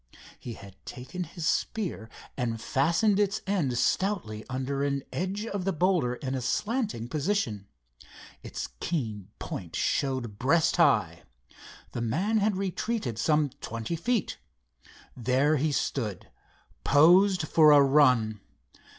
He had taken his spear and fastened its end stoutly under an edge of the boulder in a slanting position. Its keen point showed breast high. The man had retreated some twenty feet. There he stood posed for a run.